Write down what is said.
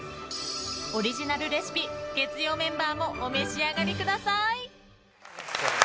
オリジナルレシピ月曜メンバーもお召し上がりください！